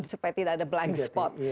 supaya tidak ada blank spot